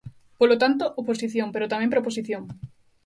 Polo tanto, oposición, pero tamén proposición.